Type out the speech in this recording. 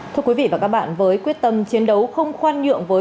thưa quý vị và các bạn với quyết tâm chiến đấu không khoan nhượng với